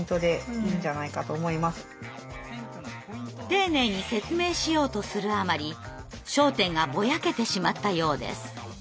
丁寧に説明しようとするあまり焦点がぼやけてしまったようです。